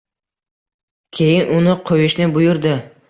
Keyin uni qo‘yishni buyurdi.